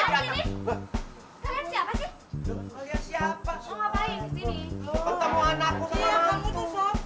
kalian siapa sih